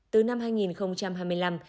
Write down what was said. từ năm hai nghìn hai mươi năm